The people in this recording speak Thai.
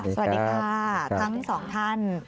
สวัสดีค่ะทั้งสองท่าน